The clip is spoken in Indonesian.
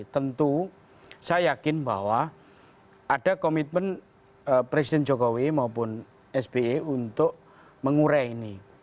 tentu saya yakin bahwa ada komitmen presiden jokowi maupun sbe untuk mengurai ini